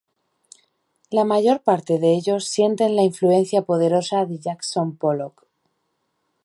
La mayor parte de ellos sienten la influencia poderosa de Jackson Pollock.